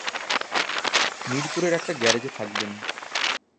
মিরপুরের একটা গ্যারেজে থাকবেন।